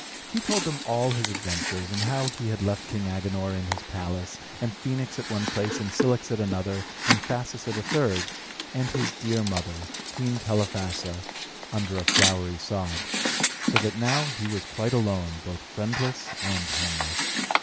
He told them all his adventures, and how he had left King Agenor in his palace, and Phœnix at one place, and Cilix at another, and Thasus at a third, and his dear mother, Queen Telephassa, under a flowery sod; so that now he was quite alone, both friendless and homeless.